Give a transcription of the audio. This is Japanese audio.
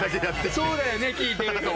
そうだよね聞いてると。